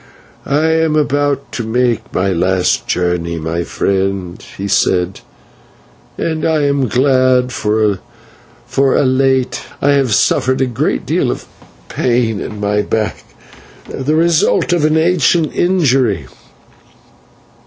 "I am about to make my last journey, friend," he said, "and I am glad, for of late I have suffered a great deal of pain in my back, the result of an ancient injury.